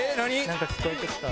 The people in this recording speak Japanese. なんか聞こえてきた。